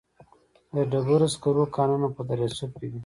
د ډبرو سکرو کانونه په دره صوف کې دي